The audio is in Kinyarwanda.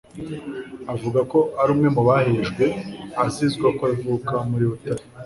avuga ko ari umwe mu bahejwe azizwa ko avuka muri Butare